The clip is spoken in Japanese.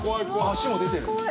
足も出てる。